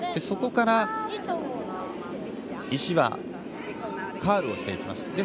そこから石はカールをしていきます。